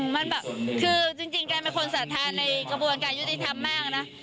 มันแบบคือจริงแกเป็นคนสาธาในกระบวนการยุติธรรมมากนะ